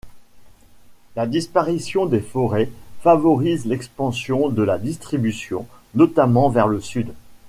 La disparition des forêts favorise l’expansion de la distribution, notamment vers le sud.